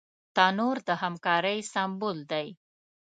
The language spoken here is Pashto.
تنور د همکارۍ سمبول دی